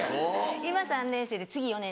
今３年生で次４年です。